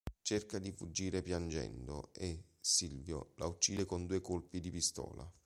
Cerca di fuggire piangendo e Silvio la uccide con due colpi di pistola.